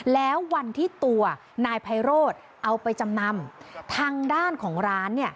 แล้ววันที่ตัวนายไพโรธเอาไปจำนำทางด้านของร้านเนี่ย